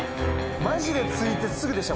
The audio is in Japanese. マジで着いてすぐでした